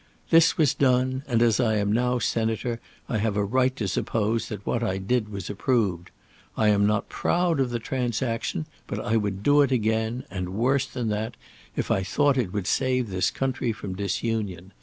This was done, and as I am now senator I have a right to suppose that what I did was approved. I am not proud of the transaction, but I would do it again, and worse than that, if I thought it would save this country from disunion.